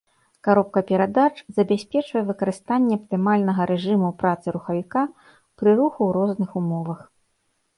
Каробка перадач забяспечвае выкарыстанне аптымальнага рэжыму працы рухавіка пры руху ў розных умовах.